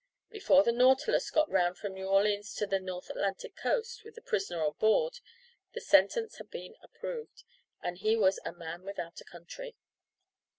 Before the Nautilus got round from New Orleans to the Northern Atlantic coast with the prisoner on board, the sentence had been approved, and he was a man without a country.